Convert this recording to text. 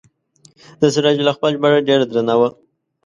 د سراج الاخبار ژباړه ډیره درنه وه.